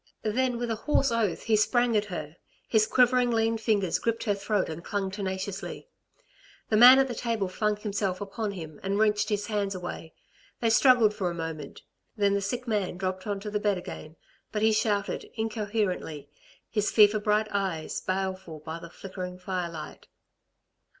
Then with a hoarse oath he sprang at her. His quivering lean fingers gripped her throat and clung tenaciously. The man at the table flung himself upon him and wrenched his hands away; they struggled for a moment, then the sick man dropped on to the bed again; but he shouted incoherently, his fever bright eyes baleful by the flickering firelight.